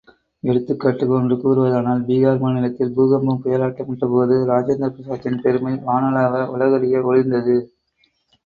எடுத்துக்காட்டுக்கு ஒன்று கூறுவதானால், பீகார் மாநிலத்தில் பூகம்பம் புயலாட்டமிட்டபோது, ராஜேந்திர பிரசாத்தின் பெருமை வானளாவ உலகறிய ஒளிர்ந்தது.